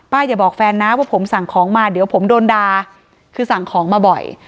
อย่าบอกแฟนนะว่าผมสั่งของมาเดี๋ยวผมโดนด่าคือสั่งของมาบ่อย